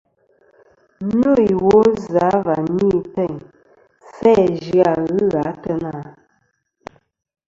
Nô iwo zɨ̀ a va ni teyn sæ zɨ-a ghɨ gha ateyna ?